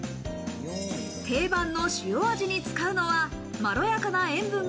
定番の塩味に使うのは、まろやかな塩分が